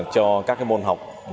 cho các môn học